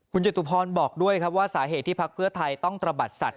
คุณจตุพรบอกด้วยครับว่าสาเหตุที่พักเพื่อไทยต้องตระบัดสัตว